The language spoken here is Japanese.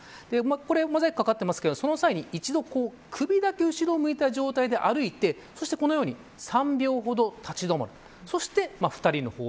これモザイクかかっていますがその際に一度首だけ後ろを向いた状態で歩いてこのように３秒ほど立ち止まるそして２人の方